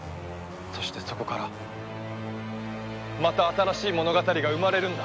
そしてそこからまた新しい物語が生まれるんだ。